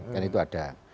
dan itu ada